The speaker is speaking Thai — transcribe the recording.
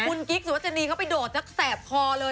คุณกิ๊กสวัสดีเขาไปโดดแล้วแสบคอเลย